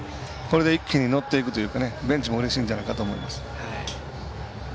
これで１球っていくとベンチもうれしいんじゃないかなと思います。